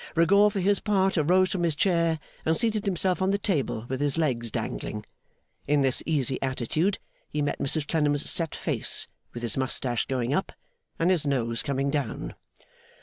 Rigaud, for his part, arose from his chair, and seated himself on the table with his legs dangling. In this easy attitude, he met Mrs Clennam's set face, with his moustache going up and his nose coming down.